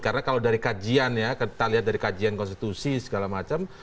karena kalau dari kajian ya kita lihat dari kajian konstitusi segala macam